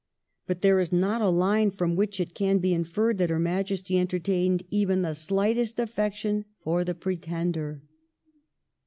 But there is not a line from which it can be inferred that Her Majesty entertained even the slightest affection for the Pretender.'